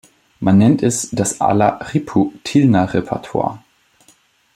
Man nennt es das Alarippu-Tillna Repertoire.